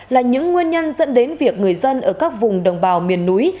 là những nguyên nhân dẫn đến việc người dân ở các vùng đồng bào miền núi